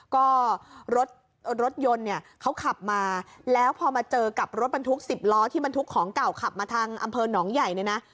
ก็รถรถยนต์เนี่ยเขาขับมาแล้วพอมาเจอกับรถบรรทุก๑๐ล้อที่บรรทุกของเก่าขับมาทางอำเภอหนองใหญ่เนี่ยนะ